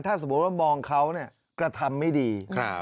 ถ้าสมมุติว่ามองเขากระทำไม่ดี